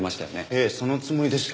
ええそのつもりでした。